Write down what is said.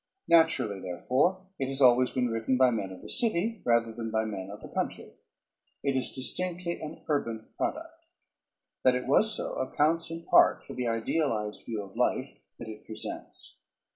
Naturally, therefore, it has always been written by men of the city rather than by men of the country. It is distinctly an urban product. That it was so accounts in part for the idealized view of life that it presents.